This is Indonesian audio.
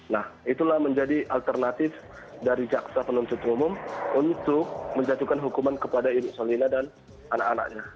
nah itulah menjadi alternatif dari jaksa penuntut umum untuk menjatuhkan hukuman kepada ibu solina dan anak anaknya